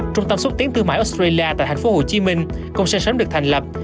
trung tâm xuất tiến thương mại australia tại tp hcm cũng sẽ sớm được thành lập